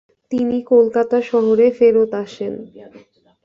তিনি কলকাতা শহরে ফেরৎ আসেন।